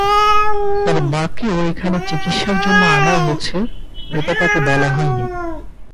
তার মাকেও এখানে চিকিৎসার জন্য আনা হয়েছে, এটা তাকে বলা হয়নি।